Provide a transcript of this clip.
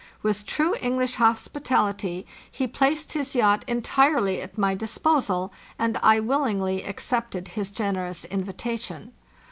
With true English hospi tality, he placed his yacht entirely at my disposal and I willingly accepted his generous invitation.